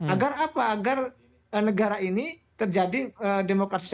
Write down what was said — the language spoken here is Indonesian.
agar apa agar negara ini terjadi demokratisasi